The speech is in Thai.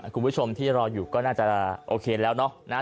คุณผู้ชมที่รออยู่ก็น่าจะโอเคแล้วเนาะ